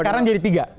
sekarang jadi tiga